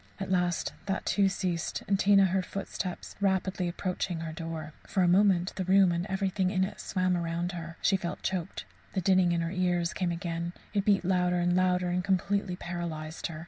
At last that, too, ceased, and Tina heard footsteps rapidly approaching her door. For a moment the room and everything in it swam round her. She felt choked; the dinning in her ears came again, it beat louder and louder and completely paralysed her.